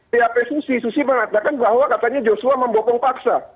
dap susi susi mengatakan bahwa katanya yosua membopong paksa